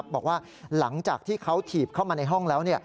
บอกว่าหลังจากที่เขาถีบเข้ามาในห้องแล้ว